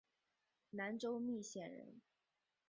南州密县人。